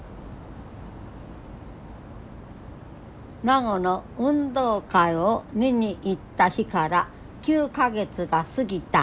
孫の運動会を見に行った日から９か月が過ぎた。